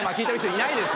いないです